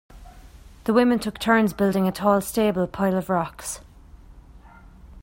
The women took turns building a tall stable pile of rocks.